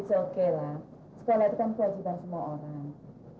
it's okay lah sekolah itu kan kewajiban semua orang